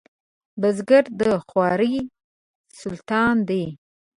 بزګر د خوارۍ سلطان دی